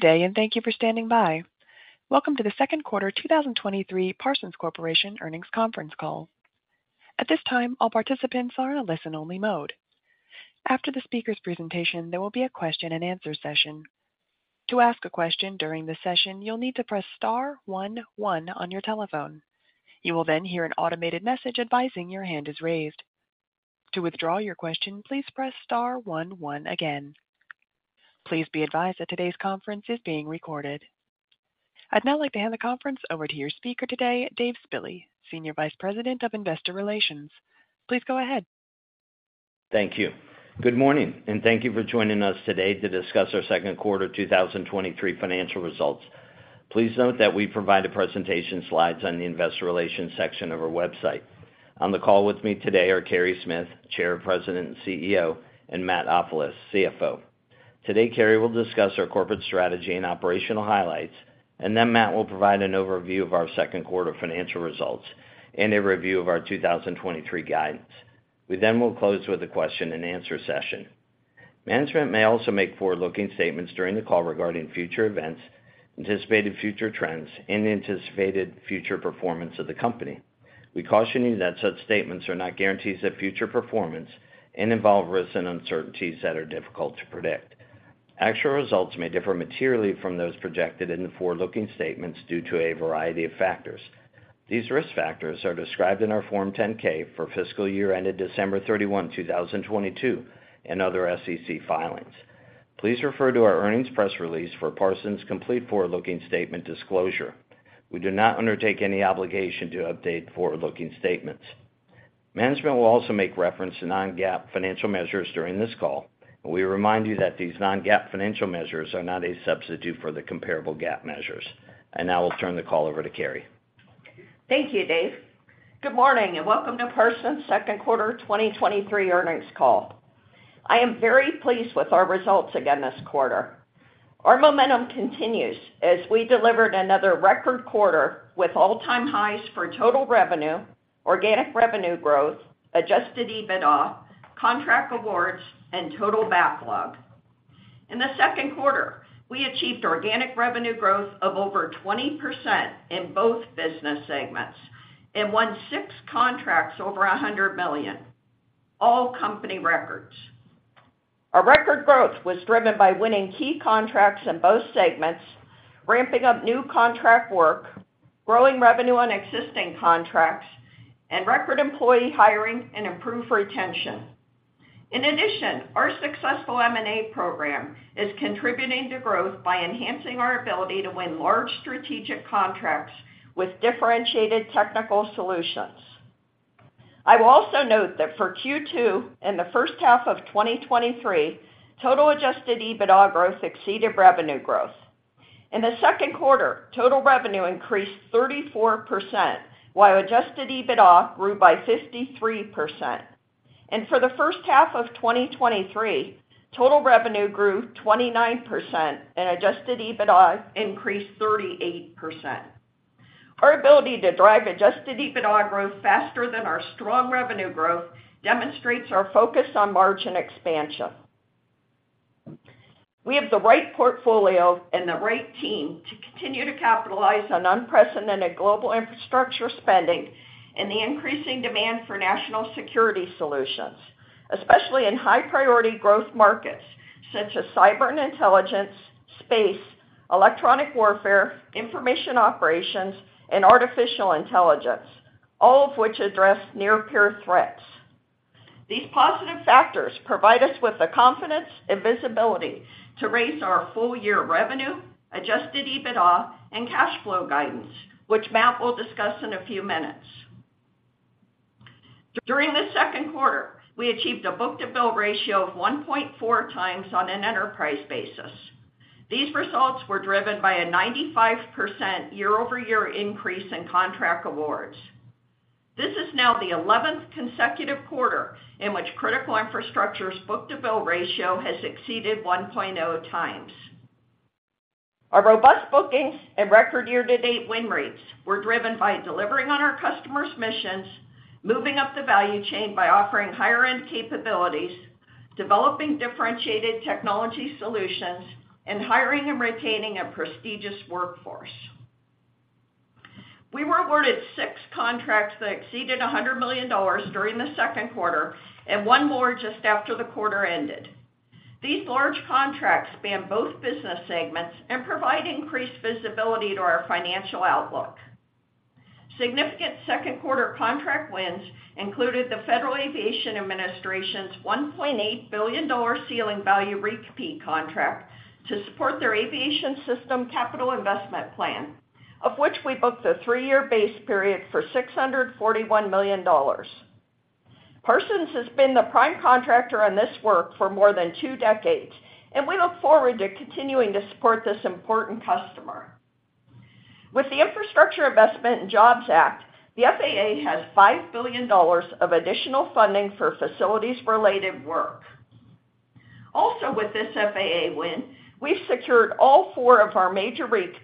Good day, and thank you for standing by. Welcome to the second quarter 2023 Parsons Corporation Earnings Conference Call. At this time, all participants are in a listen-only mode. After the speaker's presentation, there will be a question-and-answer session. To ask a question during the session, you'll need to press star one one on your telephone. You will then hear an automated message advising your hand is raised. To withdraw your question, please press star one one again. Please be advised that today's conference is being recorded. I'd now like to hand the conference over to your speaker today, Dave Spille, Senior Vice President of Investor Relations. Please go ahead. Thank you. Good morning, and thank you for joining us today to discuss our second quarter 2023 financial results. Please note that we provide the presentation slides on the investor relations section of our website. On the call with me today are Carey Smith, Chair, President, and CEO, and Matt Ofilos, CFO. Today, Carey will discuss our corporate strategy and operational highlights, then Matt will provide an overview of our second quarter financial results and a review of our 2023 guidance. We then will close with a question-and-answer session. Management may also make forward-looking statements during the call regarding future events, anticipated future trends, and anticipated future performance of the company. We caution you that such statements are not guarantees of future performance and involve risks and uncertainties that are difficult to predict. Actual results may differ materially from those projected in the forward-looking statements due to a variety of factors. These risk factors are described in our Form 10-K for fiscal year ended December 31, 2022, and other SEC filings. Please refer to our earnings press release for Parsons' complete forward-looking statement disclosure. We do not undertake any obligation to update forward-looking statements. Management will also make reference to non-GAAP financial measures during this call, and we remind you that these non-GAAP financial measures are not a substitute for the comparable GAAP measures. Now I'll turn the call over to Carey. Thank you, Dave. Good morning, and welcome to Parsons second quarter 2023 earnings call. I am very pleased with our results again this quarter. Our momentum continues as we delivered another record quarter with all-time highs for total revenue, organic revenue growth, Adjusted EBITDA, contract awards, and total backlog. In the second quarter, we achieved organic revenue growth of over 20% in both business segments and won six contracts over $100 million, all company records. Our record growth was driven by winning key contracts in both segments, ramping up new contract work, growing revenue on existing contracts, and record employee hiring and improved retention. In addition, our successful M&A program is contributing to growth by enhancing our ability to win large strategic contracts with differentiated technical solutions. I will also note that for Q2 and the first half of 2023, total Adjusted EBITDA growth exceeded revenue growth. In the second quarter, total revenue increased 34%, while Adjusted EBITDA grew by 53%. For the first half of 2023, total revenue grew 29% and Adjusted EBITDA increased 38%. Our ability to drive Adjusted EBITDA growth faster than our strong revenue growth demonstrates our focus on margin expansion. We have the right portfolio and the right team to continue to capitalize on unprecedented global infrastructure spending and the increasing demand for national security solutions, especially in high-priority growth markets such as cyber and intelligence, space, electronic warfare, information operations, and artificial intelligence, all of which address near-peer threats. These positive factors provide us with the confidence and visibility to raise our full-year revenue, Adjusted EBITDA, and cash flow guidance, which Matt will discuss in a few minutes. During the second quarter, we achieved a book-to-bill ratio of 1.4x on an enterprise basis. These results were driven by a 95% year-over-year increase in contract awards. This is now the 11th consecutive quarter in which critical infrastructure's book-to-bill ratio has exceeded 1.0x. Our robust bookings and record year-to-date win rates were driven by delivering on our customers' missions, moving up the value chain by offering higher-end capabilities, developing differentiated technology solutions, and hiring and retaining a prestigious workforce. We were awarded six contracts that exceeded $100 million during the second quarter and one more just after the quarter ended. These large contracts span both business segments and provide increased visibility to our financial outlook. Significant second quarter contract wins included the Federal Aviation Administration's $1.8 billion ceiling value REAP contract to support their aviation system capital investment plan, of which we booked a three-year base period for $641 million. Parsons has been the prime contractor on this work for more than two decades, and we look forward to continuing to support this important customer. With the Infrastructure Investment and Jobs Act, the FAA has $5 billion of additional funding for facilities-related work. Also, with this FAA win, we've secured all four of our major REAP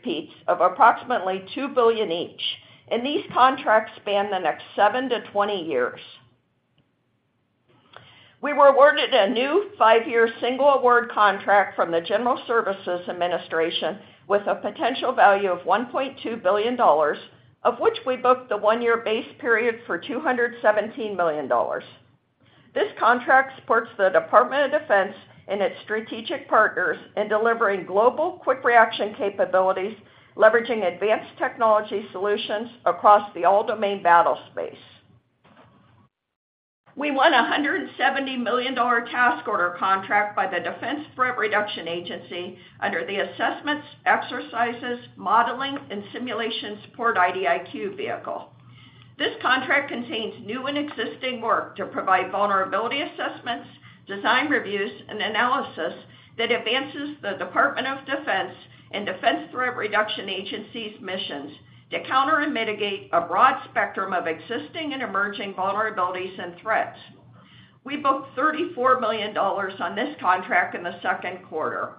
of approximately $2 billion each, and these contracts span the next seven to 20 years. We were awarded a new five-year single award contract from the General Services Administration, with a potential value of $1.2 billion, of which we booked the one-year base period for $217 million. This contract supports the Department of Defense and its strategic partners in delivering global quick reaction capabilities, leveraging advanced technology solutions across the all-domain battle space. We won a $170 million task order contract by the Defense Threat Reduction Agency under the Assessments, Exercises, Modeling, and Simulation Support IDIQ vehicle. This contract contains new and existing work to provide vulnerability assessments, design reviews, and analysis that advances the Department of Defense and Defense Threat Reduction Agency's missions to counter and mitigate a broad spectrum of existing and emerging vulnerabilities and threats. We booked $34 million on this contract in the second quarter.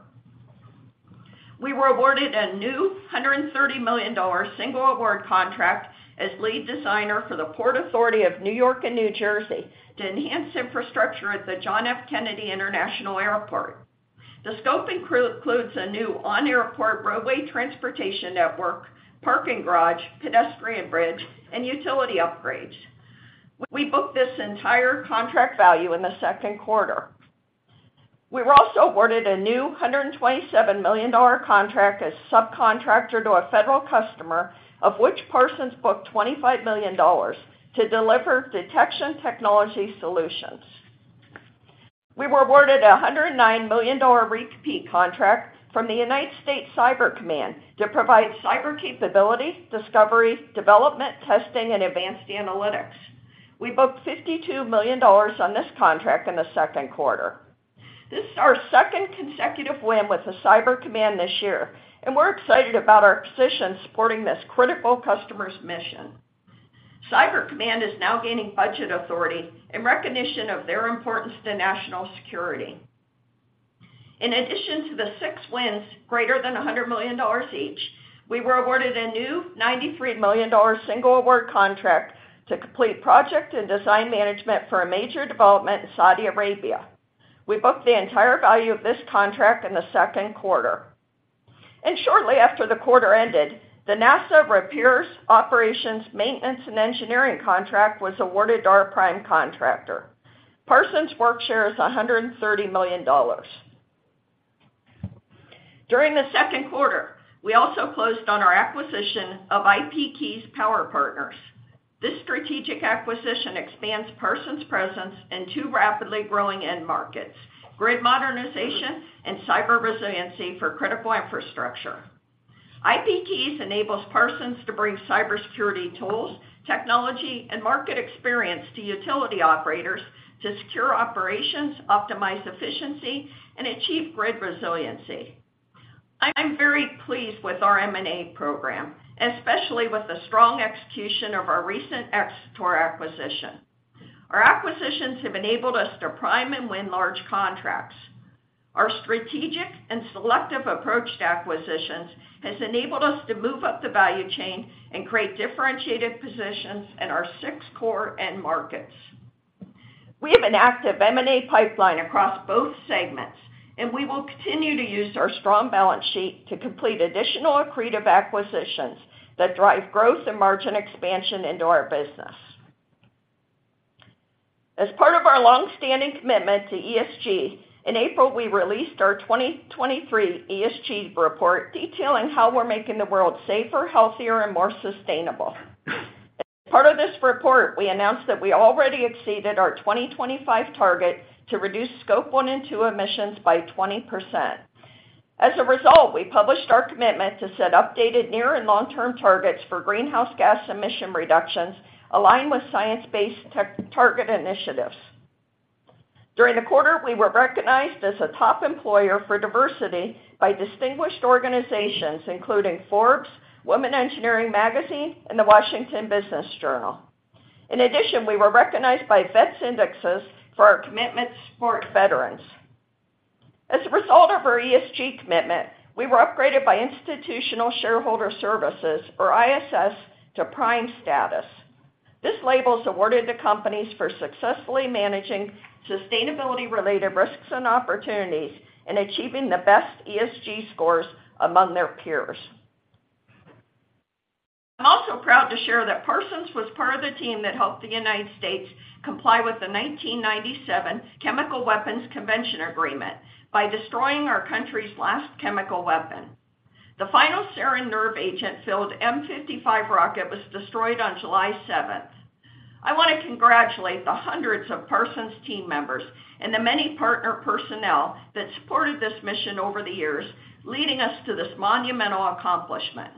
We were awarded a new $130 million single award contract as lead designer for the Port Authority of New York and New Jersey to enhance infrastructure at the John F. Kennedy International Airport. The scope includes a new on-airport roadway transportation network, parking garage, pedestrian bridge, and utility upgrades. We booked this entire contract value in the second quarter. We were also awarded a new $127 million contract as subcontractor to a federal customer, of which Parsons booked $25 million to deliver detection technology solutions. We were awarded a $109 million repeat contract from the United States Cyber Command to provide cyber capability, discovery, development, testing, and advanced analytics. We booked $52 million on this contract in the second quarter. This is our second consecutive win with the Cyber Command this year. We're excited about our position supporting this critical customer's mission. Cyber Command is now gaining budget authority in recognition of their importance to national security. In addition to the six wins, greater than $100 million each, we were awarded a new $93 million single award contract to complete project and design management for a major development in Saudi Arabia. We booked the entire value of this contract in the second quarter. Shortly after the quarter ended, the NASA Repairs, Operations, Maintenance, and Engineering contract was awarded to our prime contractor. Parsons' work share is $130 million. During the second quarter, we also closed on our acquisition of IPKeys Power Partners. This strategic acquisition expands Parsons' presence in two rapidly growing end markets, grid modernization and cyber resiliency for critical infrastructure. IPKeys enables Parsons to bring cybersecurity tools, technology, and market experience to utility operators to secure operations, optimize efficiency, and achieve grid resiliency. I'm very pleased with our M&A program, especially with the strong execution of our recent Xator acquisition. Our acquisitions have enabled us to prime and win large contracts. Our strategic and selective approach to acquisitions has enabled us to move up the value chain and create differentiated positions in our six core end markets. We have an active M&A pipeline across both segments, and we will continue to use our strong balance sheet to complete additional accretive acquisitions that drive growth and margin expansion into our business. As part of our long-standing commitment to ESG, in April, we released our 2023 ESG report, detailing how we're making the world safer, healthier, and more sustainable. As part of this report, we announced that we already exceeded our 2025 target to reduce Scope 1 and 2 emissions by 20%. As a result, we published our commitment to set updated near and long-term targets for greenhouse gas emission reductions aligned with Science Based Targets initiative. During the quarter, we were recognized as a top employer for diversity by distinguished organizations, including Forbes, Woman Engineer Magazine, and the Washington Business Journal. In addition, we were recognized by VETS Indexes for our commitment to support veterans. As a result of our ESG commitment, we were upgraded by Institutional Shareholder Services, or ISS, to Prime status. This label is awarded to companies for successfully managing sustainability-related risks and opportunities and achieving the best ESG scores among their peers. I'm also proud to share that Parsons was part of the team that helped the United States comply with the 1997 Chemical Weapons Convention by destroying our country's last chemical weapon. The final sarin nerve agent-filled M55 rocket was destroyed on July 7th. I want to congratulate the hundreds of Parsons team members and the many partner personnel that supported this mission over the years, leading us to this monumental accomplishment.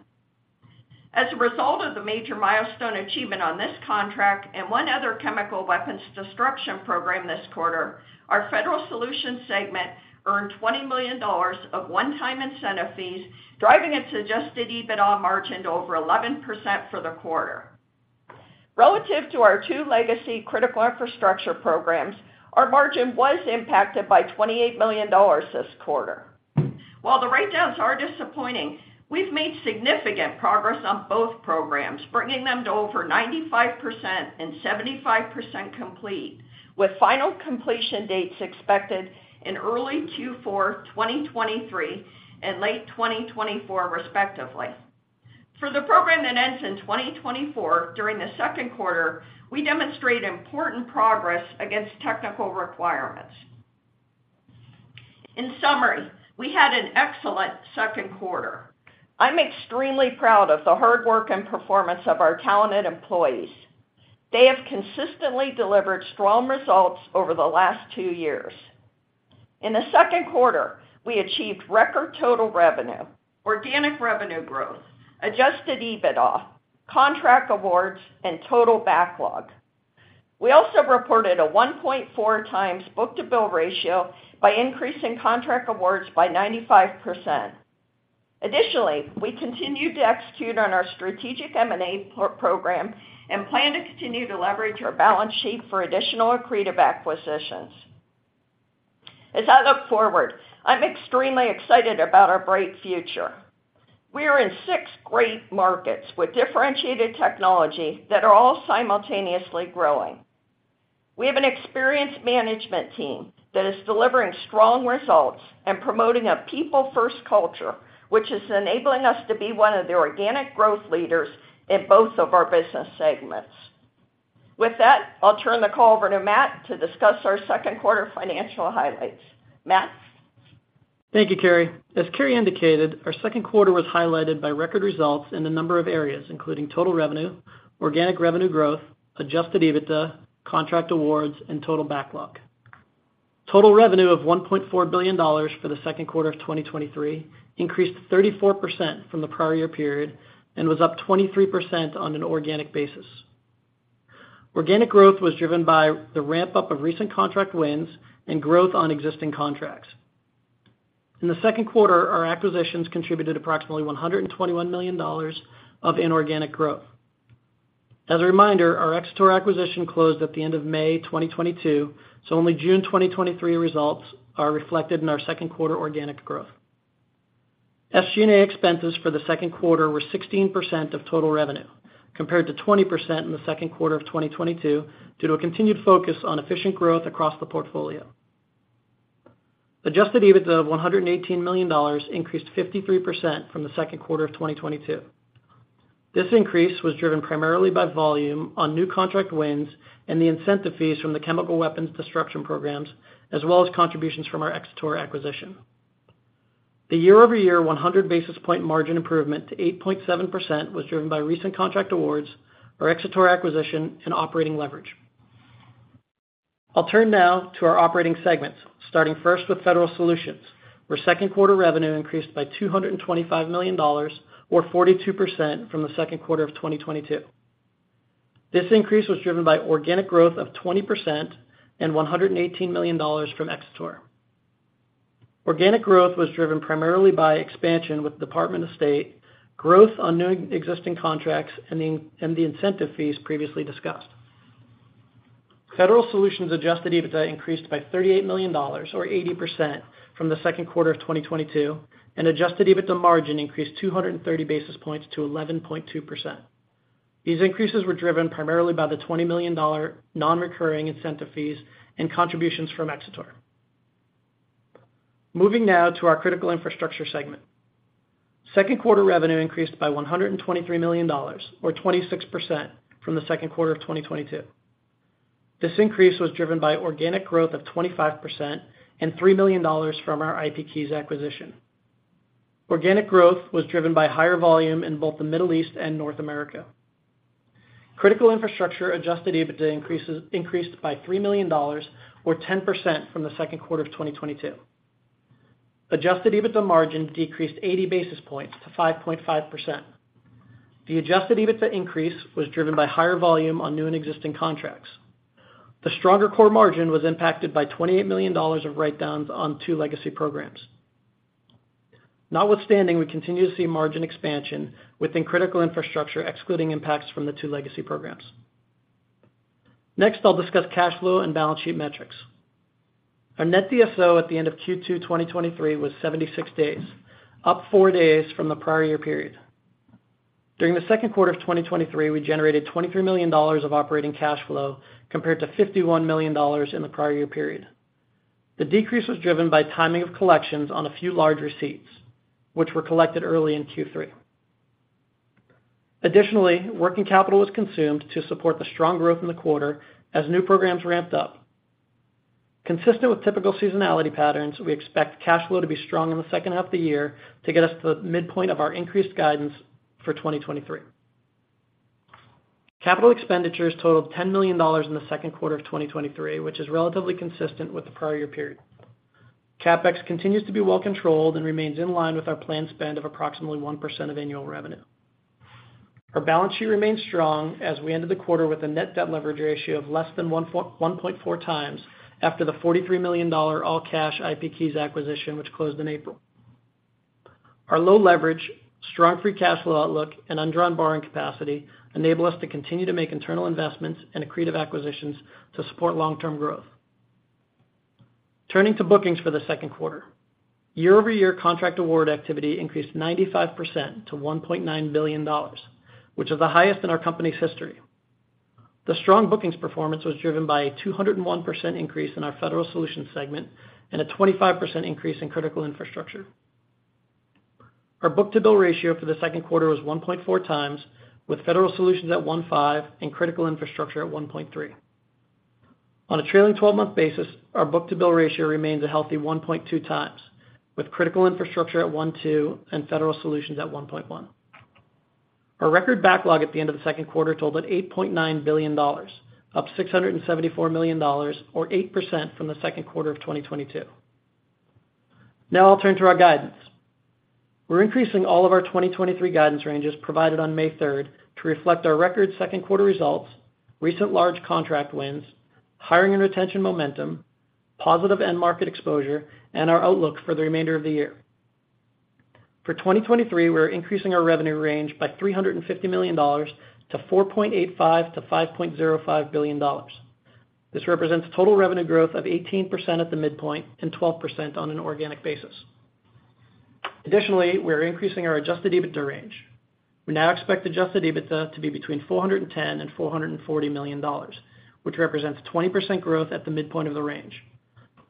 As a result of the major milestone achievement on this contract and one other chemical weapons destruction program this quarter, our Federal Solutions segment earned $20 million of one-time incentive fees, driving its adjusted EBITDA margin to over 11% for the quarter. Relative to our two legacy critical infrastructure programs, our margin was impacted by $28 million this quarter. While the write-downs are disappointing, we've made significant progress on both programs, bringing them to over 95% and 75% complete, with final completion dates expected in early Q4 2023 and late 2024, respectively. For the program that ends in 2024, during the second quarter, we demonstrated important progress against technical requirements. In summary, we had an excellent second quarter. I'm extremely proud of the hard work and performance of our talented employees. They have consistently delivered strong results over the last two years. In the second quarter, we achieved record total revenue, organic revenue growth, Adjusted EBITDA, contract awards, and total backlog. We also reported a 1.4 times book-to-bill ratio by increasing contract awards by 95%. Additionally, we continued to execute on our strategic M&A program and plan to continue to leverage our balance sheet for additional accretive acquisitions. As I look forward, I'm extremely excited about our bright future. We are in six great markets with differentiated technology that are all simultaneously growing. We have an experienced management team that is delivering strong results and promoting a people-first culture, which is enabling us to be one of the organic growth leaders in both of our business segments. With that, I'll turn the call over to Matt to discuss our second quarter financial highlights. Matt? Thank you, Carey. As Carey indicated, our second quarter was highlighted by record results in a number of areas, including total revenue, organic revenue growth, Adjusted EBITDA, contract awards, and total backlog. Total revenue of $1.4 billion for the second quarter of 2023 increased 34% from the prior year period and was up 23% on an organic basis. Organic growth was driven by the ramp-up of recent contract wins and growth on existing contracts. In the second quarter, our acquisitions contributed approximately $121 million of inorganic growth. As a reminder, our Xator acquisition closed at the end of May 2022, so only June 2023 results are reflected in our second quarter organic growth. SG&A expenses for the second quarter were 16% of total revenue, compared to 20% in the second quarter of 2022, due to a continued focus on efficient growth across the portfolio. Adjusted EBITDA of $118 million increased 53% from the second quarter of 2022. This increase was driven primarily by volume on new contract wins and the incentive fees from the chemical weapons destruction programs, as well as contributions from our Xator acquisition. The year-over-year 100 basis point margin improvement to 8.7% was driven by recent contract awards, our Xator acquisition, and operating leverage. I'll turn now to our operating segments, starting first with Federal Solutions, where second quarter revenue increased by $225 million, or 42%, from the second quarter of 2022. This increase was driven by organic growth of 20% and $118 million from Xator. Organic growth was driven primarily by expansion with the Department of State, growth on new existing contracts, and the incentive fees previously discussed. Federal Solutions Adjusted EBITDA increased by $38 million, or 80%, from the second quarter of 2022, and Adjusted EBITDA margin increased 230 basis points to 11.2%. These increases were driven primarily by the $20 million non-recurring incentive fees and contributions from Xator. Moving now to our critical infrastructure segment. Second quarter revenue increased by $123 million, or 26%, from the second quarter of 2022. This increase was driven by organic growth of 25% and $3 million from our IPKeys acquisition. Organic growth was driven by higher volume in both the Middle East and North America. Critical infrastructure adjusted EBITDA increased by $3 million, or 10%, from the second quarter of 2022. Adjusted EBITDA margin decreased 80 basis points to 5.5%. The adjusted EBITDA increase was driven by higher volume on new and existing contracts. The stronger core margin was impacted by $28 million of write-downs on two legacy programs. Notwithstanding, we continue to see margin expansion within critical infrastructure, excluding impacts from the two legacy programs. Next, I'll discuss cash flow and balance sheet metrics. Our net DSO at the end of Q2 2023 was 76 days, up four days from the prior year period. During the second quarter of 2023, we generated $23 million of operating cash flow, compared to $51 million in the prior year period. The decrease was driven by timing of collections on a few large receipts, which were collected early in Q3. Additionally, working capital was consumed to support the strong growth in the quarter as new programs ramped up. Consistent with typical seasonality patterns, we expect cash flow to be strong in the second half of the year to get us to the midpoint of our increased guidance for 2023. Capital expenditures totaled $10 million in the second quarter of 2023, which is relatively consistent with the prior year period. CapEx continues to be well controlled and remains in line with our planned spend of approximately 1% of annual revenue. Our balance sheet remains strong as we ended the quarter with a net debt leverage ratio of less than 1 point, 1.4 times after the $43 million all-cash IPKeys acquisition, which closed in April. Our low leverage, strong free cash flow outlook, and undrawn borrowing capacity enable us to continue to make internal investments and accretive acquisitions to support long-term growth. Turning to bookings for the second quarter, year-over-year contract award activity increased 95% to $1.9 billion, which is the highest in our company's history. The strong bookings performance was driven by a 201% increase in our Federal Solutions segment and a 25% increase in critical infrastructure. Our book-to-bill ratio for the second quarter was 1.4 times, with Federal Solutions at 1.5 and critical infrastructure at 1.3. On a trailing twelve-month basis, our book-to-bill ratio remains a healthy 1.2 times, with critical infrastructure at 1.2 and Federal Solutions at 1.1. Our record backlog at the end of the second quarter totaled $8.9 billion, up $674 million or 8% from the second quarter of 2022. I'll turn to our guidance. We're increasing all of our 2023 guidance ranges provided on May 3rd to reflect our record second quarter results, recent large contract wins, hiring and retention momentum, positive end market exposure, and our outlook for the remainder of the year. For 2023, we're increasing our revenue range by $350 million to $4.85 billion-$5.05 billion. This represents total revenue growth of 18% at the midpoint and 12% on an organic basis. We are increasing our Adjusted EBITDA range. We now expect Adjusted EBITDA to be between $410 million and $440 million, which represents 20% growth at the midpoint of the range.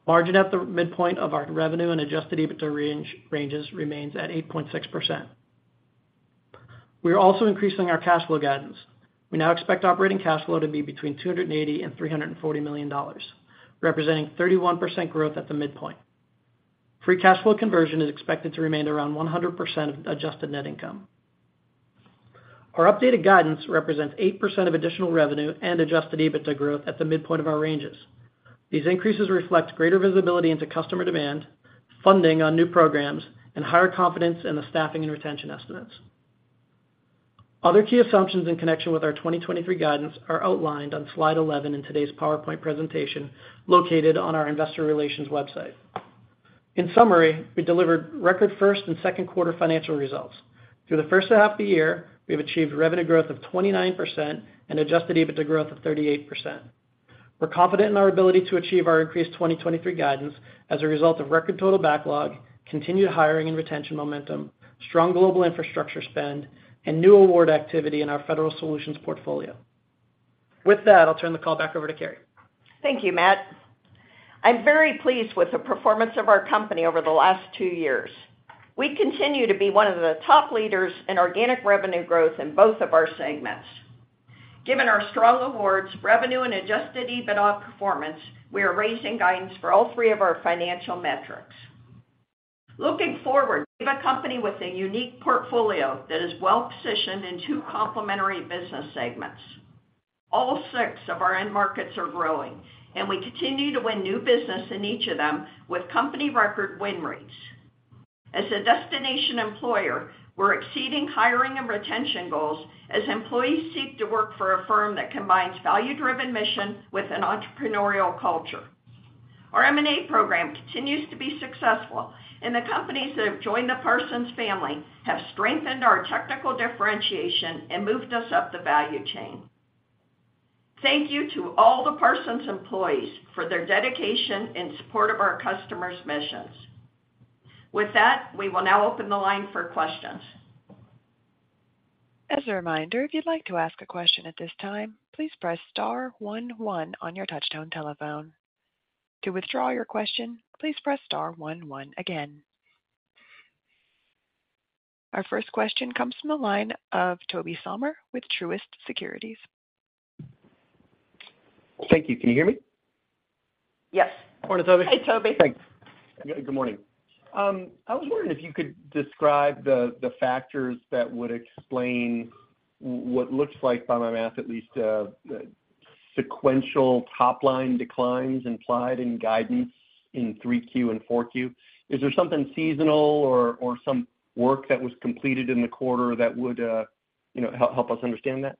Margin at the midpoint of our revenue and Adjusted EBITDA range remains at 8.6%. We are also increasing our cash flow guidance. We now expect operating cash flow to be between $280 million and $340 million, representing 31% growth at the midpoint. Free cash flow conversion is expected to remain around 100% of adjusted net income. Our updated guidance represents 8% of additional revenue and Adjusted EBITDA growth at the midpoint of our ranges. These increases reflect greater visibility into customer demand, funding on new programs, and higher confidence in the staffing and retention estimates. Other key assumptions in connection with our 2023 guidance are outlined on slide 11 in today's PowerPoint presentation, located on our investor relations website. In summary, we delivered record first and second quarter financial results. Through the first half of the year, we have achieved revenue growth of 29% and Adjusted EBITDA growth of 38%. We're confident in our ability to achieve our increased 2023 guidance as a result of record total backlog, continued hiring and retention momentum, strong global infrastructure spend, and new award activity in our Federal Solutions portfolio. With that, I'll turn the call back over to Carey. Thank you, Matt. I'm very pleased with the performance of our company over the last two years. We continue to be one of the top leaders in organic revenue growth in both of our segments. Given our strong awards, revenue, and Adjusted EBITDA performance, we are raising guidance for all three of our financial metrics. Looking forward, we have a company with a unique portfolio that is well positioned in two complementary business segments. All six of our end markets are growing, and we continue to win new business in each of them with company record win rates. As a destination employer, we're exceeding hiring and retention goals as employees seek to work for a firm that combines value-driven mission with an entrepreneurial culture. Our M&A program continues to be successful, and the companies that have joined the Parsons family have strengthened our technical differentiation and moved us up the value chain. Thank you to all the Parsons employees for their dedication in support of our customers' missions. With that, we will now open the line for questions. As a reminder, if you'd like to ask a question at this time, please press star one one on your touchtone telephone. To withdraw your question, please press star one one again. Our first question comes from the line of Tobey Sommer with Truist Securities. Thank you. Can you hear me? Yes. Morning, Tobey. Hey, Tobey. Thanks. Good morning. I was wondering if you could describe the, the factors that would explain what looks like, by my math at least, sequential top-line declines implied in guidance in 3Q and 4Q. Is there something seasonal or, or some work that was completed in the quarter that would, you know, help, help us understand that?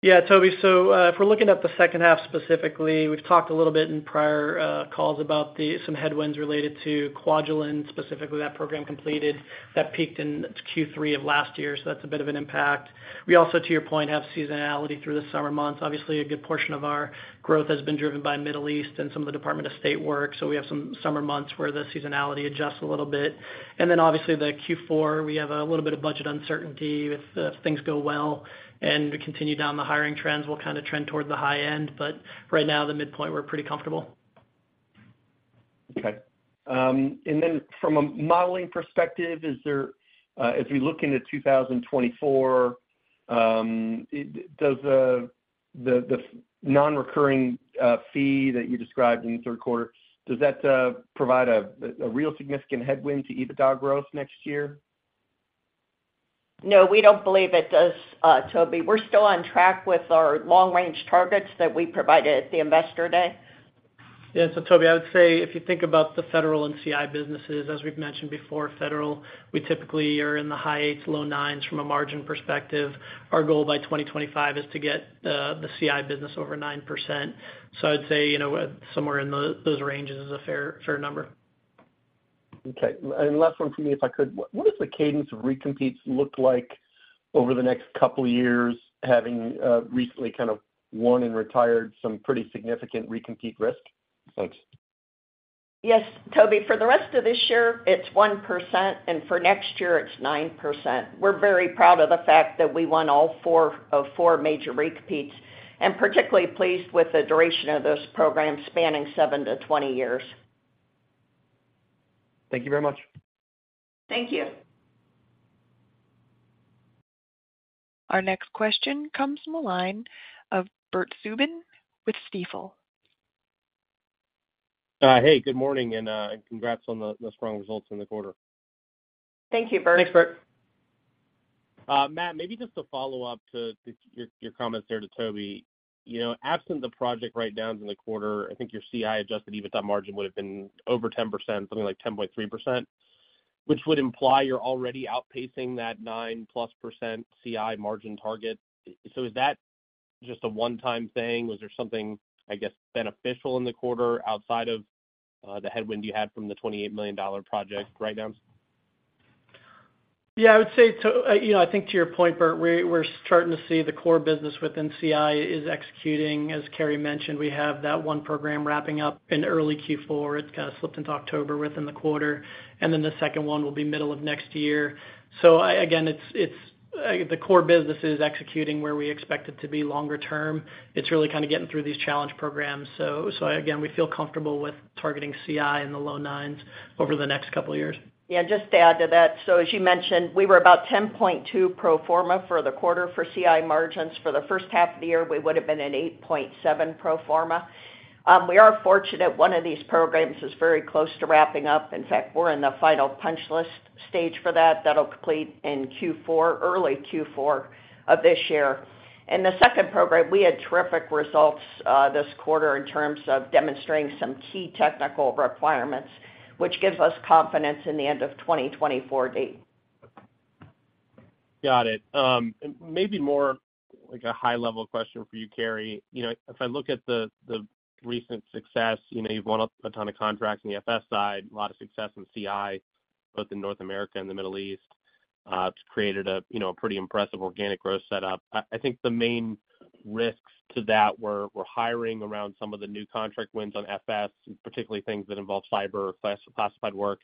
Yeah, Tobey. If we're looking at the second half specifically, we've talked a little bit in prior calls about the, some headwinds related to Kwajalein, specifically that program completed, that peaked in Q3 of last year, so that's a bit of an impact. We also, to your point, have seasonality through the summer months. Obviously, a good portion of our growth has been driven by Middle East and some of the Department of State Work, so we have some summer months where the seasonality adjusts a little bit. Then, obviously, the Q4, we have a little bit of budget uncertainty. If things go well and we continue down the hiring trends, we'll kind of trend toward the high end, but right now, the midpoint, we're pretty comfortable. Okay. Then from a modeling perspective, as we look into 2024, does the nonrecurring fee that you described in the third quarter, does that provide a real significant headwind to EBITDA growth next year? No, we don't believe it does, Toby. We're still on track with our long-range targets that we provided at the Investor Day. Yeah. Tobey, I would say, if you think about the federal and CI businesses, as we've mentioned before, federal, we typically are in the high eights, low 9s from a margin perspective. Our goal by 2025 is to get the CI business over 9%. I'd say, you know, somewhere in those ranges is a fair, fair number. Okay, last one for me, if I could. What, what does the cadence of recompetes look like over the next couple of years, having recently kind of won and retired some pretty significant recompete risk? Thanks. Yes, Tobey, for the rest of this year, it's 1%, and for next year, it's 9%. We're very proud of the fact that we won all 4 of 4 major recompetes, and particularly pleased with the duration of those programs spanning seven to 20 years. Thank you very much. Thank you. Our next question comes from the line of Bert Subin with Stifel. Hey, good morning, congrats on the strong results in the quarter. Thank you, Bert. Thanks, Bert. Matt, maybe just a follow-up to, to your, your comments there to Tobey. You know, absent the project write-downs in the quarter, I think your CI Adjusted EBITDA margin would have been over 10%, something like 10.3%, which would imply you're already outpacing that 9+% CI margin target. So is that just a one-time thing? Was there something, I guess, beneficial in the quarter outside of the headwind you had from the $28 million project write-downs? Yeah, I would say to, you know, I think to your point, Bert, we're starting to see the core business within CI is executing. As Carey mentioned, we have that one program wrapping up in early Q4. It's kind of slipped into October within the quarter, and then the 2nd one will be middle of next year. I, again, it's, it's, the core business is executing where we expect it to be longer term. It's really kind of getting through these challenge programs. Again, we feel comfortable with targeting CI in the low nines over the next couple years. Yeah, just to add to that: so as you mentioned, we were about 10.2% pro forma for the quarter for CI margins. For the first half of the year, we would've been at 8.7% pro forma. We are fortunate one of these programs is very close to wrapping up. In fact, we're in the final punch list stage for that. That'll complete in Q4, early Q4 of 2024. In the second program, we had terrific results this quarter in terms of demonstrating some key technical requirements, which gives us confidence in the end of 2024 date. Got it. Maybe more like a high-level question for you, Carey. You know, if I look at the, the recent success, you know, you've won a, a ton of contracts on the FS side, a lot of success in CI, both in North America and the Middle East. It's created a, you know, pretty impressive organic growth setup. I, I think the main risks to that were, were hiring around some of the new contract wins on FS, and particularly things that involve cyber classified work,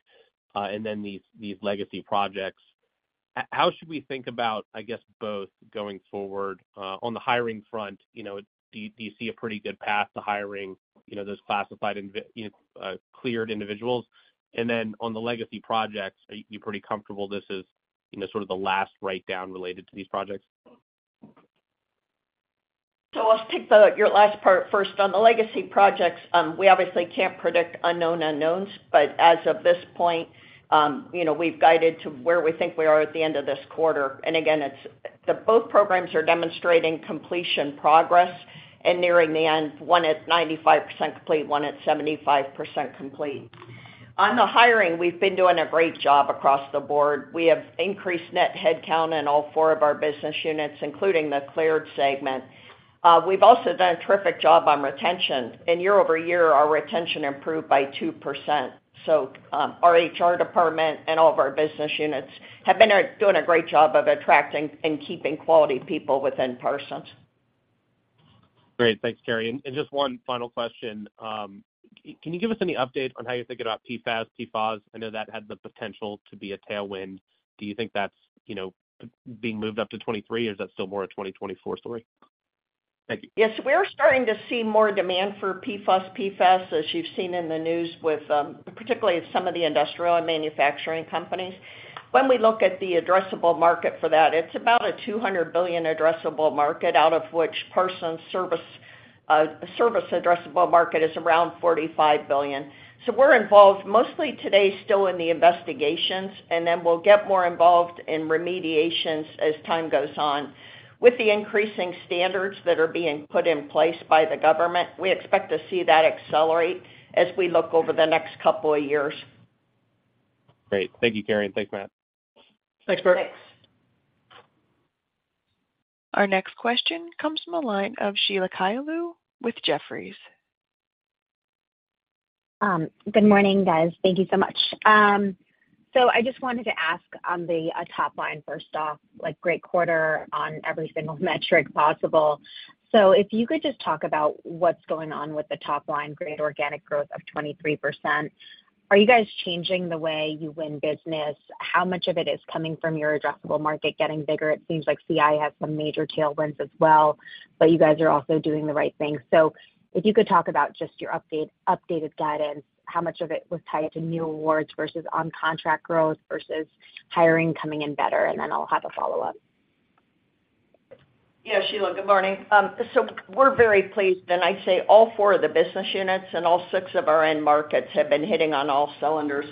and then these, these legacy projects. How should we think about, I guess, both going forward, on the hiring front, you know, do you, do you see a pretty good path to hiring, you know, those classified cleared individuals? Then on the legacy projects, are you pretty comfortable this is, you know, sort of the last write-down related to these projects? I'll take your last part first. On the legacy projects, we obviously can't predict unknown unknowns, but as of this point, you know, we've guided to where we think we are at the end of this quarter. Again, the both programs are demonstrating completion progress and nearing the end, one at 95% complete, one at 75% complete. On the hiring, we've been doing a great job across the board. We have increased net headcount in all four of our business units, including the cleared segment. We've also done a terrific job on retention. Year-over-year, our retention improved by 2%. Our HR department and all of our business units have been doing a great job of attracting and keeping quality people within Parsons. Great. Thanks, Carey. Just one final question. Can you give us any update on how you're thinking about PFAS, PFOS? I know that had the potential to be a tailwind. Do you think that's, you know, being moved up to 2023, or is that still more a 2024 story? Thank you. Yes, we are starting to see more demand for PFOS, PFAS, as you've seen in the news with, particularly some of the industrial and manufacturing companies. When we look at the addressable market for that, it's about a $200 billion addressable market, out of which Parsons service, service addressable market is around $45 billion. So we're involved mostly today, still in the investigations, and then we'll get more involved in remediations as time goes on. With the increasing standards that are being put in place by the government, we expect to see that accelerate as we look over the next couple of years. Great. Thank you, Carey, and thanks, Matt. Thanks, Bert. Thanks. Our next question comes from the line of Sheila Kahyaoglu with Jefferies. Good morning, guys. Thank you so much. I just wanted to ask on the top line, first off, great quarter on every single metric possible. If you could just talk about what's going on with the top line, great organic growth of 23%. Are you guys changing the way you win business? How much of it is coming from your addressable market getting bigger? It seems like CI has some major tailwinds as well, but you guys are also doing the right thing. If you could talk about just your updated guidance, how much of it was tied to new awards versus on-contract growth versus hiring coming in better, and then I'll have a follow-up? Yeah, Sheila, good morning. We're very pleased, and I'd say all four of the business units and all six of our end markets have been hitting on all cylinders.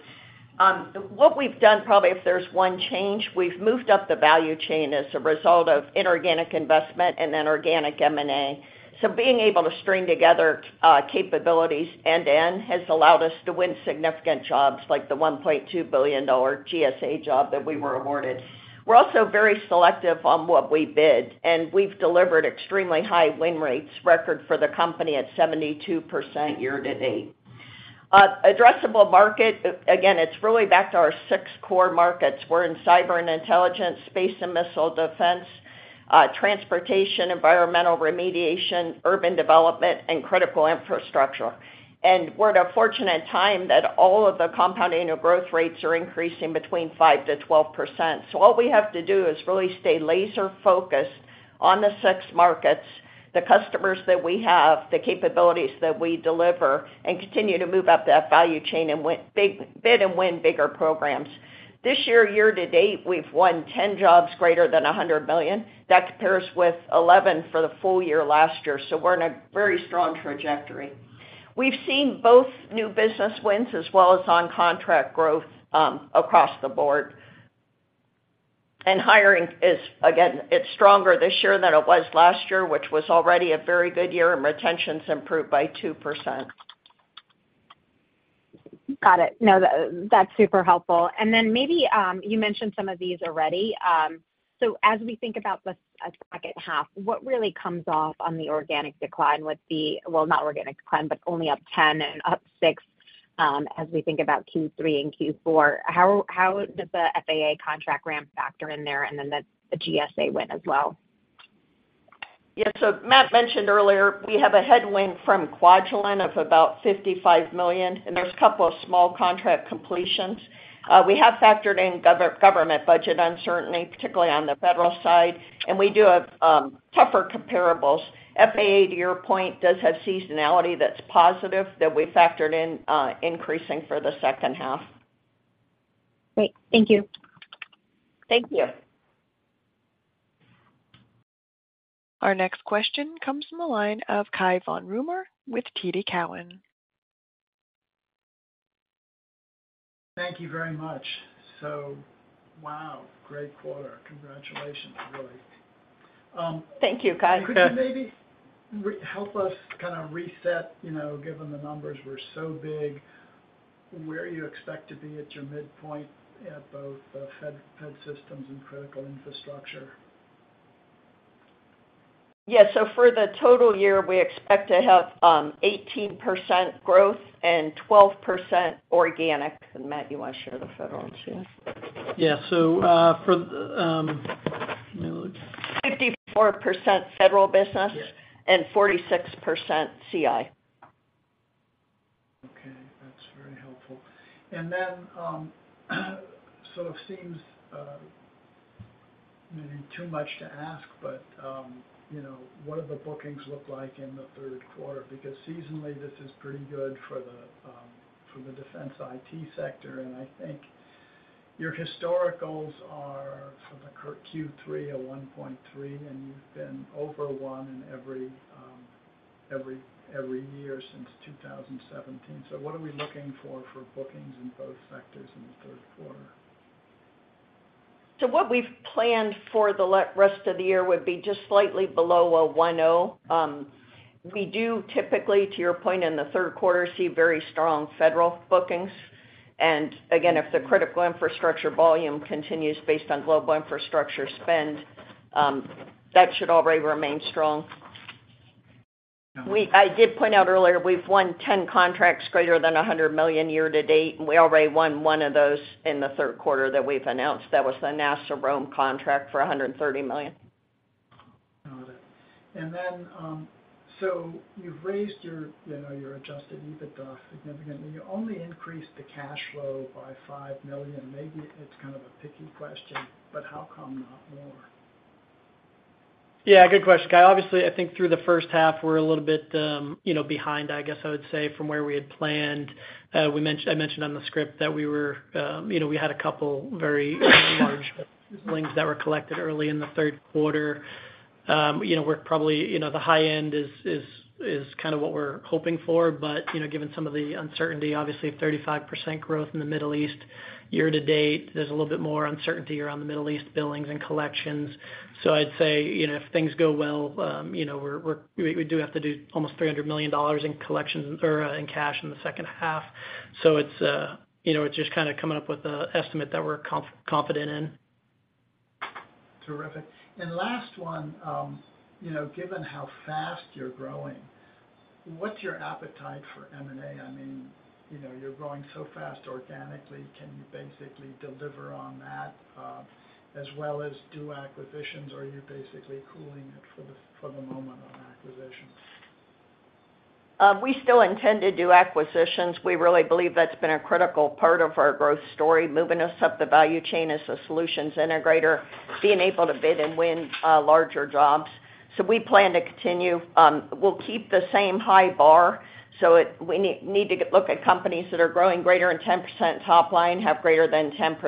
What we've done, probably if there's one change, we've moved up the value chain as a result of inorganic investment and then organic M&A. Being able to string together capabilities end-to-end has allowed us to win significant jobs, like the $1.2 billion GSA job that we were awarded. We're also very selective on what we bid, and we've delivered extremely high win rates, record for the company at 72% year to date. Addressable market, again, it's really back to our six core markets. We're in cyber and intelligence, space and missile defense, transportation, environmental remediation, urban development, and critical infrastructure. We're at a fortunate time that all of the compounding annual growth rates are increasing between 5%-12%. What we have to do is really stay laser focused on the six markets, the customers that we have, the capabilities that we deliver, and continue to move up that value chain and win, big-bid and win bigger programs. This year, year to date, we've won 10 jobs greater than $100 million. That compares with 11 for the full year last year, so we're in a very strong trajectory. We've seen both new business wins as well as on contract growth across the board. Hiring is, again, it's stronger this year than it was last year, which was already a very good year, and retention's improved by 2%. Got it. No, the, that's super helpful. Then maybe you mentioned some of these already. As we think about the second half, what really comes off on the organic decline with the... Well, not organic decline, but only up 10 and up six, as we think about Q3 and Q4, how, how does the FAA contract ramp factor in there, then the GSA win as well? Matt mentioned earlier, we have a headwind from Kwajalein of about $55 million, and there's a couple of small contract completions. We have factored in government budget uncertainty, particularly on the federal side, and we do have tougher comparables. FAA, to your point, does have seasonality that's positive, that we factored in, increasing for the second half. Great. Thank you. Thank you. Our next question comes from the line of Cai von Rumohr with TD Cowen. Thank you very much. Wow, great quarter. Congratulations, really. Thank you, Cai. Could you maybe help us kind of reset, you know, given the numbers were so big, where you expect to be at your midpoint at both Fed Solutions and critical infrastructure? Yeah, so for the total year, we expect to have 18% growth and 12% organic. Matt, you want to share the federal and CI? Yeah, for, let me look. 54% federal business- Yeah. and 46% CI. Okay, that's very helpful. It seems maybe too much to ask, but, you know, what do the bookings look like in the third quarter? Because seasonally, this is pretty good for the for the defense IT sector, and I think your historicals are, for Q3 a 1.3, and you've been over one in every year since 2017. What are we looking for for bookings in both sectors in the third quarter? What we've planned for the rest of the year would be just slightly below a 1.0. We do typically, to your point, in the third quarter, see very strong Federal bookings. Again, if the critical infrastructure volume continues based on global infrastructure spend, that should already remain strong. I did point out earlier, we've won 10 contracts greater than $100 million year to date, and we already won one of those in the third quarter that we've announced. That was the NASA ROAM contract for $130 million. Got it. You've raised your adjusted EBITDA significantly. You only increased the cash flow by $5 million. Maybe it's kind of a picky question, but how come not more? Yeah, good question, Cai. Obviously, I think through the first half, we're a little bit, you know, behind, I guess I would say, from where we had planned. I mentioned on the script that we were, you know, we had a couple very large billings that were collected early in the third quarter. You know, we're probably, you know, the high end is kind of what we're hoping for. You know, given some of the uncertainty, obviously, 35% growth in the Middle East year to date, there's a little bit more uncertainty around the Middle East billings and collections. I'd say, you know, if things go well, you know, we do have to do almost $300 million in collections or in cash in the second half. It's, you know, it's just kind of coming up with an estimate that we're confident in. Terrific. Last one, you know, given how fast you're growing, what's your appetite for M&A? I mean, you know, you're growing so fast organically. Can you basically deliver on that, as well as do acquisitions, or are you basically cooling it for the, for the moment on acquisitions? We still intend to do acquisitions. We really believe that's been a critical part of our growth story, moving us up the value chain as a solutions integrator, being able to bid and win, larger jobs. We plan to continue. We'll keep the same high bar, so we need to look at companies that are growing greater than 10% top line, have greater than 10%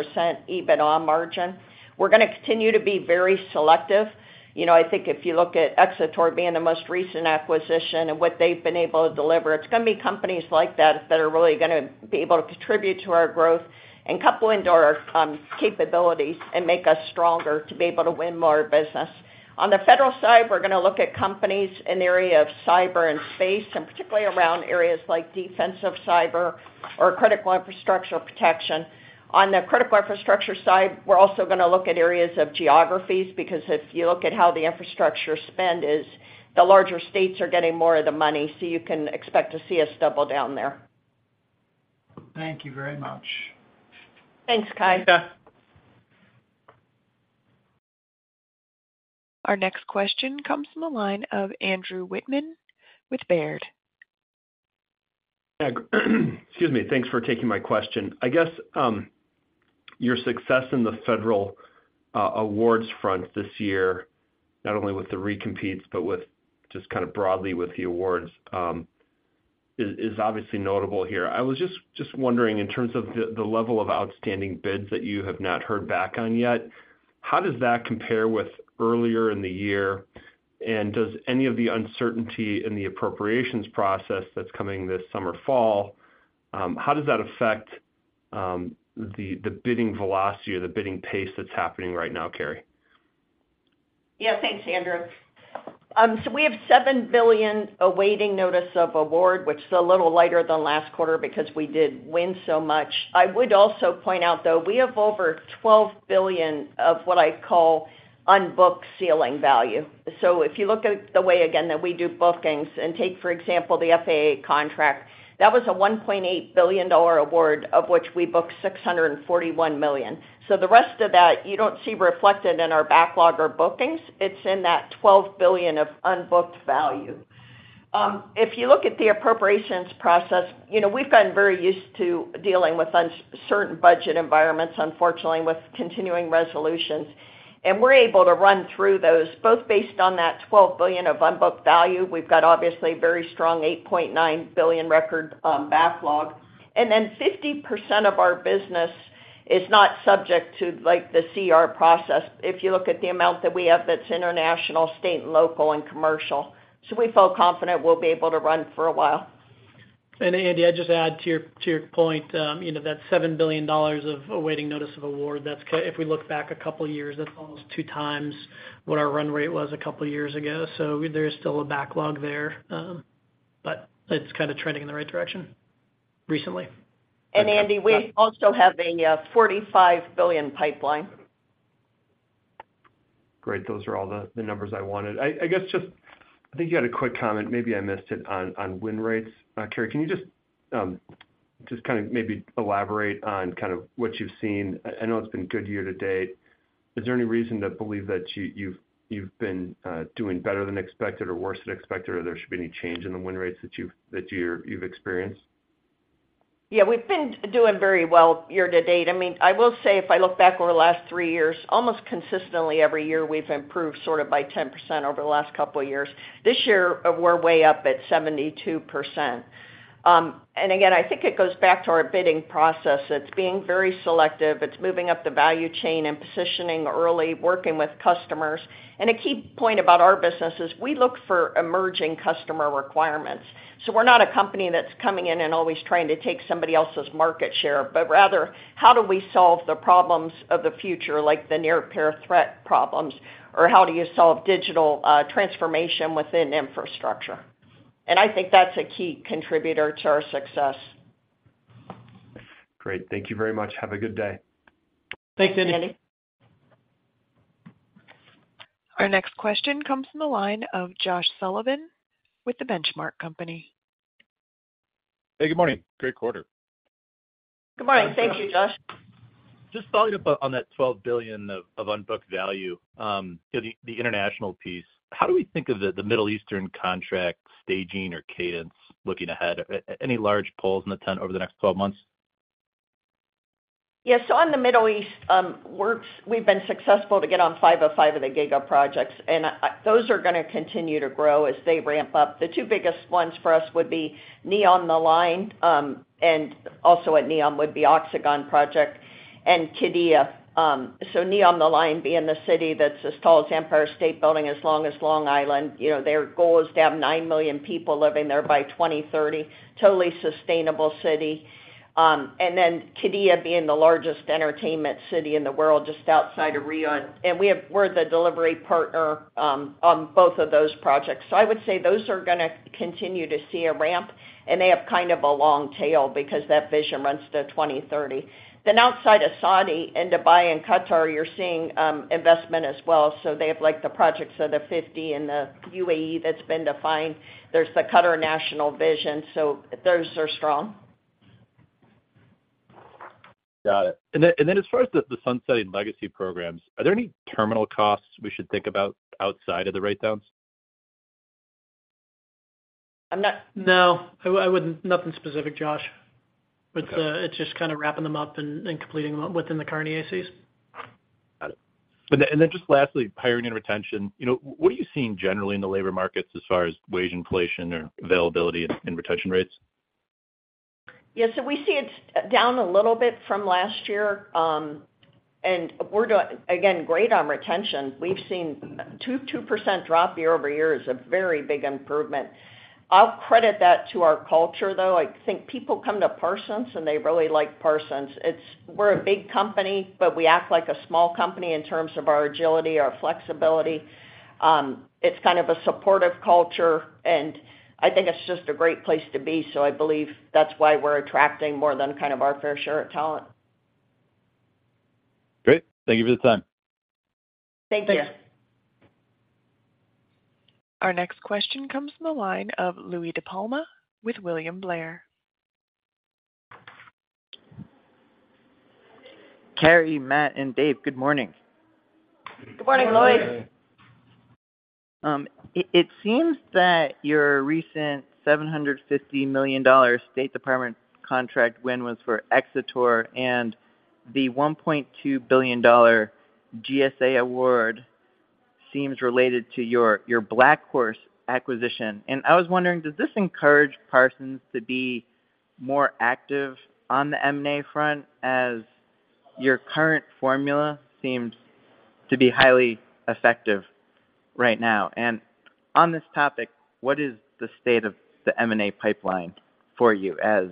EBITDA margin. We're gonna continue to be very selective. You know, I think if you look at Xator being the most recent acquisition and what they've been able to deliver, it's gonna be companies like that that are really gonna be able to contribute to our growth and couple into our capabilities and make us stronger to be able to win more business. On the Federal side, we're gonna look at companies in the area of cyber and space, and particularly around areas like defensive cyber, or critical infrastructure protection. On the critical infrastructure side, we're also gonna look at areas of geographies, because if you look at how the infrastructure spend is, the larger states are getting more of the money, so you can expect to see us double down there. Thank you very much. Thanks, Cai. Our next question comes from the line of Andrew Wittmann with Baird. Excuse me. Thanks for taking my question. I guess, your success in the federal awards front this year, not only with the recompetes, but with just kind of broadly with the awards, is, is obviously notable here. I was just, just wondering, in terms of the, the level of outstanding bids that you have not heard back on yet, how does that compare with earlier in the year? Does any of the uncertainty in the appropriations process that's coming this summer, fall, how does that affect the bidding velocity or the bidding pace that's happening right now, Carey? Yeah. Thanks, Andrew. We have $7 billion awaiting notice of award, which is a little lighter than last quarter because we did win so much. I would also point out, though, we have over $12 billion of what I call unbooked ceiling value. If you look at the way again, that we do bookings and take, for example, the FAA contract, that was a $1.8 billion award, of which we booked $641 million. The rest of that you don't see reflected in our backlog or bookings, it's in that $12 billion of unbooked value. If you look at the appropriations process, you know, we've gotten very used to dealing with uncertain budget environments, unfortunately, with continuing resolutions. We're able to run through those, both based on that $12 billion of unbooked value. We've got, obviously, a very strong $8.9 billion record backlog. Then 50% of our business is not subject to, like, the CR process if you look at the amount that we have that's international, state, and local, and commercial. We feel confident we'll be able to run for a while. Andy, I'd just add to your, to your point, you know, that $7 billion of awaiting notice of award, that's if we look back a couple of years, that's almost two times what our run rate was a couple of years ago. There is still a backlog there, but it's kind of trending in the right direction recently. Andy, we also have a $45 billion pipeline. Great. Those are all the, the numbers I wanted. I, I guess, just... I think you had a quick comment, maybe I missed it, on, on win rates. Carey, can you just, just kind of maybe elaborate on kind of what you've seen? I, I know it's been good year to date. Is there any reason to believe that you, you've, you've been, doing better than expected or worse than expected, or there should be any change in the win rates that you've-- that you're, you've experienced? Yeah, we've been doing very well year to date. I mean, I will say, if I look back over the last three years, almost consistently every year, we've improved sort of by 10% over the last couple of years. This year, we're way up at 72%. Again, I think it goes back to our bidding process. It's being very selective. It's moving up the value chain and positioning early, working with customers. A key point about our business is we look for emerging customer requirements. We're not a company that's coming in and always trying to take somebody else's market share, but rather, how do we solve the problems of the future, like the near peer threat problems, or how do you solve digital transformation within infrastructure? I think that's a key contributor to our success. Great. Thank you very much. Have a good day. Thanks, Andy. Thanks, Andy. Our next question comes from the line of Josh Sullivan with The Benchmark Company. Hey, good morning. Great quarter. Good morning. Thank you, Josh. Just following up on that $12 billion of, of unbooked value, you know, the, the international piece. How do we think of the, the Middle Eastern contract staging or cadence looking ahead? Any large poles in the tent over the next 12 months? Yes, so on the Middle East works, we've been successful to get on five of five of the giga projects, and those are gonna continue to grow as they ramp up. The two biggest ones for us would be Neom The Line, and also at Neom would be Oxagon project and Qiddiya. Neom The Line being the city that's as tall as Empire State Building, as long as Long Island, you know, their goal is to have 9 million people living there by 2030, totally sustainable city. Qiddiya being the largest entertainment city in the world, just outside of Riyadh. We're the delivery partner on both of those projects. I would say those are gonna continue to see a ramp, and they have kind of a long tail because that vision runs to 2030. outside of Saudi, in Dubai and Qatar, you're seeing, investment as well, so they have, like, the Projects of the 50 and the UAE that's been defined. There's the Qatar National Vision, so those are strong. Got it. Then, and then as far as the, the sunsetting legacy programs, are there any terminal costs we should think about outside of the write-downs? I'm not- No, I wouldn't. Nothing specific, Josh. Okay. It's just kind of wrapping them up and, and completing them within the current ACs. Got it. Then just lastly, hiring and retention. You know, what are you seeing generally in the labor markets as far as wage inflation or availability and retention rates? Yeah, so we see it's down a little bit from last year, and we're doing, again, great on retention. We've seen 2, 2% drop year-over-year is a very big improvement. I'll credit that to our culture, though. I think people come to Parsons, and they really like Parsons. It's- we're a big company, but we act like a small company in terms of our agility, our flexibility. It's kind of a supportive culture, and I think it's just a great place to be, so I believe that's why we're attracting more than kind of our fair share of talent. Great. Thank you for the time. Thank you. Our next question comes from the line of Louie DiPalma with William Blair. Carey, Matt, and Dave, good morning. Good morning, Louie. It, it seems that your recent $750 million State Department contract win was for Xator. The $1.2 billion GSA award seems related to your, your BlackHorse acquisition. I was wondering, does this encourage Parsons to be more active on the M&A front, as your current formula seems to be highly effective right now? On this topic, what is the state of the M&A pipeline for you, as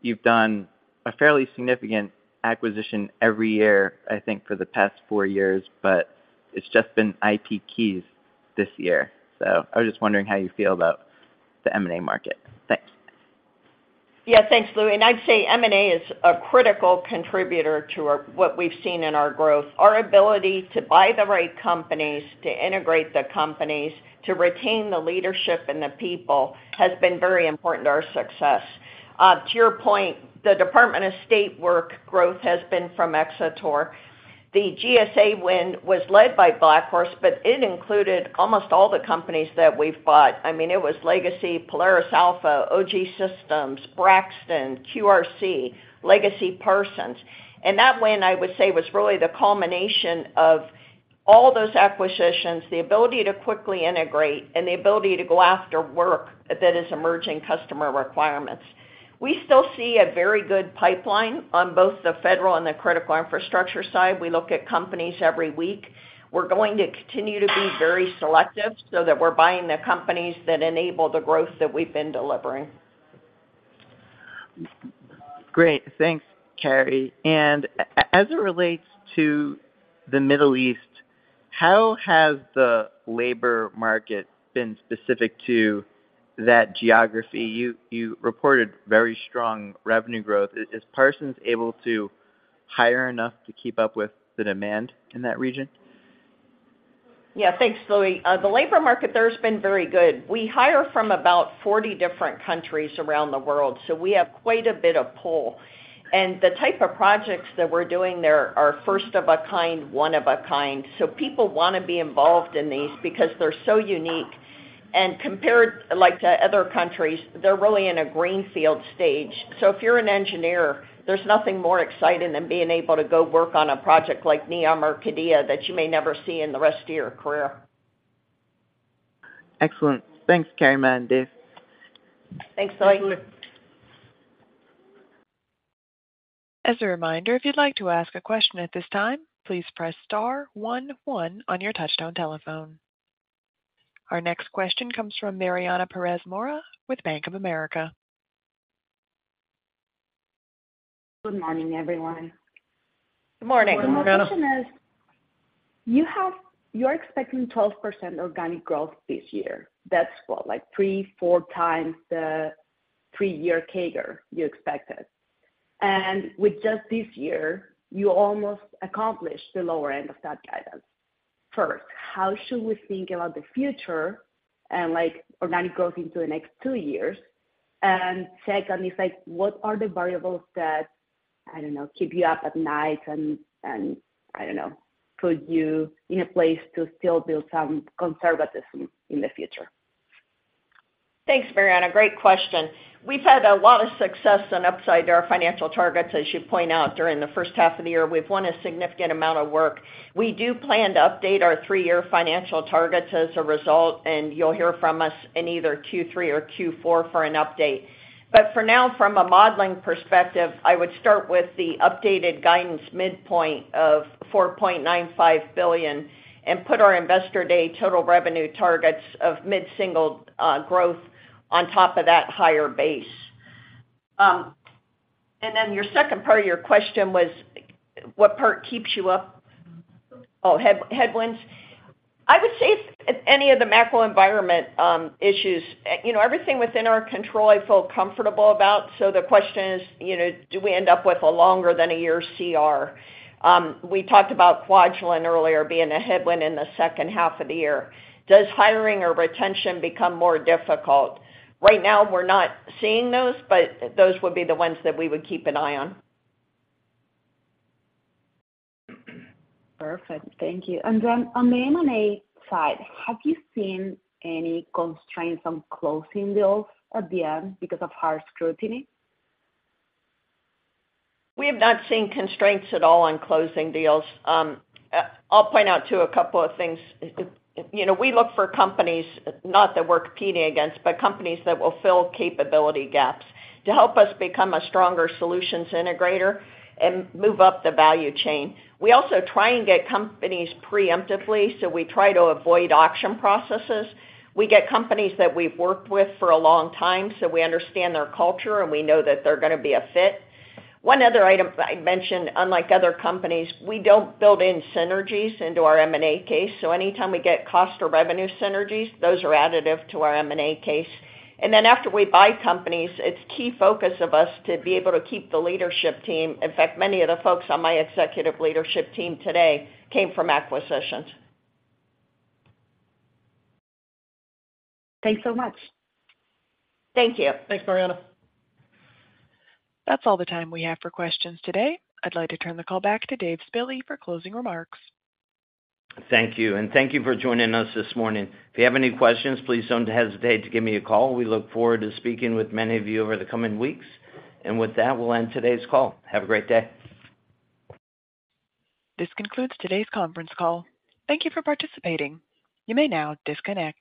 you've done a fairly significant acquisition every year, I think, for the past four years, but it's just been IPKeys this year. I was just wondering how you feel about the M&A market. Thanks. Yeah, thanks, Louie. I'd say M&A is a critical contributor to our, what we've seen in our growth. Our ability to buy the right companies, to integrate the companies, to retain the leadership and the people, has been very important to our success. To your point, the Department of State Work growth has been from Xator. The GSA win was led by BlackHorse, but it included almost all the companies that we've bought. I mean, it was Legacy, Polaris Alpha, OGSystems, Braxton, QRC, Legacy Parsons. That win, I would say, was really the culmination of all those acquisitions, the ability to quickly integrate, and the ability to go after work that is emerging customer requirements. We still see a very good pipeline on both the federal and the critical infrastructure side. We look at companies every week. We're going to continue to be very selective, so that we're buying the companies that enable the growth that we've been delivering. Great. Thanks, Carey. As it relates to the Middle East, how has the labor market been specific to that geography? You, you reported very strong revenue growth. Is, is Parsons able to hire enough to keep up with the demand in that region? Yeah, thanks, Louie. The labor market there has been very good. We hire from about 40 different countries around the world, so we have quite a bit of pull. The type of projects that we're doing there are first of a kind, one of a kind, so people want to be involved in these because they're so unique. Compared, like, to other countries, they're really in a greenfield stage. If you're an engineer, there's nothing more exciting than being able to go work on a project like Neom or Qiddiya that you may never see in the rest of your career. Excellent. Thanks, Carey, Matt, and Dave. Thanks, Louis. As a reminder, if you'd like to ask a question at this time, please press star one one on your touchtone telephone. Our next question comes from Mariana Pérez Mora with Bank of America. Good morning, everyone. Good morning, Mariana. The question is, you're expecting 12% organic growth this year. That's what? Like three, four times the three-year CAGR you expected. With just this year, you almost accomplished the lower end of that guidance. First, how should we think about the future and, like, organic growth into the next two years? Second, it's like, what are the variables that, I don't know, keep you up at night and, I don't know, put you in a place to still build some conservatism in the future? Thanks, Mariana. Great question. We've had a lot of success and upside to our financial targets, as you point out, during the first half of the year. We've won a significant amount of work. We do plan to update our three-year financial targets as a result, and you'll hear from us in either Q3 or Q4 for an update. For now, from a modeling perspective, I would start with the updated guidance midpoint of $4.95 billion and put our Investor Day total revenue targets of mid-single growth on top of that higher base. Your second part of your question was what part keeps you up? Oh, head-headwinds. I would say if any of the macro environment issues. You know, everything within our control, I feel comfortable about. The question is, you know, do we end up with a longer than a year CR? We talked about Kwajalein earlier being a headwind in the second half of the year. Does hiring or retention become more difficult? Right now, we're not seeing those, but those would be the ones that we would keep an eye on. Perfect. Thank you. Then on the M&A side, have you seen any constraints on closing deals at the end because of higher scrutiny? We have not seen constraints at all on closing deals. I'll point out to a couple of things. You know, we look for companies, not that we're competing against, but companies that will fill capability gaps, to help us become a stronger solutions integrator and move up the value chain. We also try and get companies preemptively, so we try to avoid auction processes. We get companies that we've worked with for a long time, so we understand their culture, and we know that they're going to be a fit. One other item I'd mention, unlike other companies, we don't build in synergies into our M&A case, so anytime we get cost or revenue synergies, those are additive to our M&A case. After we buy companies, it's key focus of us to be able to keep the leadership team. In fact, many of the folks on my Executive Leadership Team today came from acquisitions. Thanks so much. Thank you. Thanks, Mariana. That's all the time we have for questions today. I'd like to turn the call back to Dave Spille for closing remarks. Thank you, and thank you for joining us this morning. If you have any questions, please don't hesitate to give me a call. We look forward to speaking with many of you over the coming weeks. With that, we'll end today's call. Have a great day. This concludes today's conference call. Thank you for participating. You may now disconnect.